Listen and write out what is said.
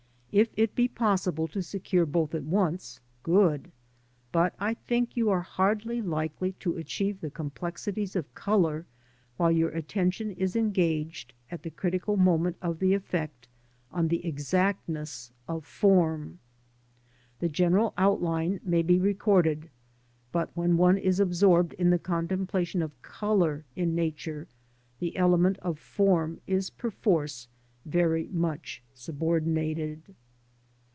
If it be possible to secure both at once — ^good ; but I think you are hardly likely to achieve the complexities of colour while your attention is engaged, at the critical moment of the effect, on the exactness of form. The general outline may be recorded, but when one is absorbed in the contemplation of colour in Nature, the element of form is perforce very much subordinated.